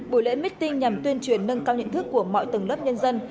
buổi lễ meeting nhằm tuyên truyền nâng cao nhận thức của mọi tầng lớp nhân dân